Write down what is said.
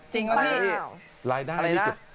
จริงหรือพี่อะไรนะอะไรนะ